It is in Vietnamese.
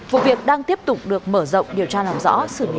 vụ việc đang tiếp tục được mở rộng điều tra làm rõ